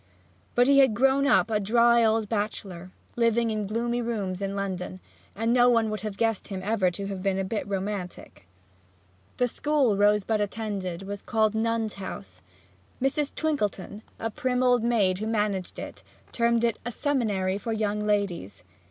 But he had grown up a dry old bachelor, living in gloomy rooms in London, and no one would have guessed him ever to have been a bit romantic. The school Rosebud attended was called Nun's House. Miss Twinkleton, the prim old maid who managed it, termed it a "Seminary for Young Ladies."